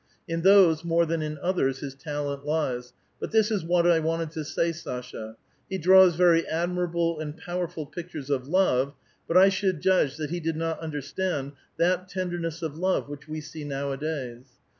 In those more than in othei*s his talent lies ; but this is what I wanted to say, Sasha: he draws very admirable and powerful pictures of love, but I should judge that he did not understand that tenderness of love which we see nowadays.